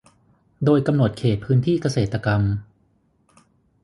โดยกำหนดเขตพื้นที่เกษตรกรรม